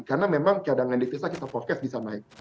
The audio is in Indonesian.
karena memang cadangan devisa kita forecast bisa naik